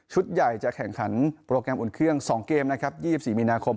ใหญ่จะแข่งขันโปรแกรมอุ่นเครื่อง๒เกมนะครับ๒๔มีนาคม